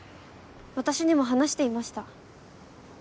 私にも話していました